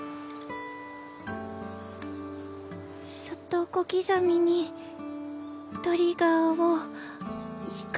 そっと小刻みにトリガーを引く！